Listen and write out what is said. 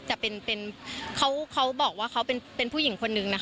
จะเป็นเขาบอกว่าเขาเป็นผู้หญิงคนนึงนะคะ